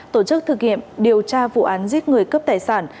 tổ chức thực hiện điều tra vụ án giết người cướp tài sản